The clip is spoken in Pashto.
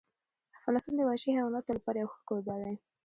افغانستان د وحشي حیواناتو لپاره یو ښه کوربه دی.